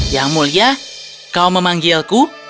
yang mulia kau memanggilku